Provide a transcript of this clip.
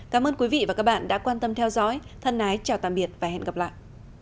cảm ơn quý vị và các bạn đã quan tâm theo dõi thân ái chào tạm biệt và hẹn gặp lại